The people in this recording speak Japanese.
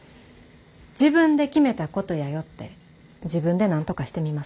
自分で決めたことやよって自分でなんとかしてみます。